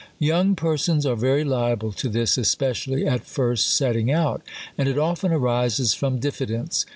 Young persons are very liable to this, especially at first setting out. And it often arises from diffidence.